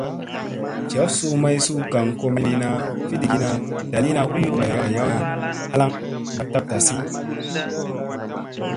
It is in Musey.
Jaf suu may suu gaŋ komi maɗina, fiɗgina, ɗaliina u mi ɓayawna naa halaŋ ba tab tasi.